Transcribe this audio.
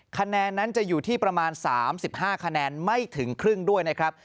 คะแนนนั้นจะอยู่ที่ประมาณ๓๕คะแนนไม่ถึงครึ่งด้วยนะครับ